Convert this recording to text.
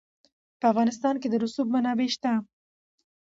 په افغانستان کې د رسوب منابع شته.